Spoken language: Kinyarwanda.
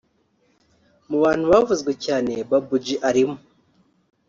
Mu bantu bavuzwe cyane Babou G arimo